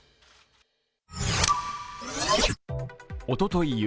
おととい